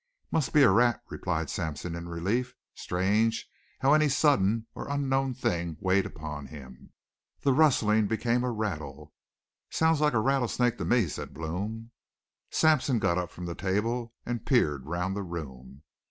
"Must be a rat," replied Sampson in relief. Strange how any sudden or unknown thing weighed upon him. The rustling became a rattle. "Sounds like a rattlesnake to me," said Blome. Sampson got up from the table and peered round the room.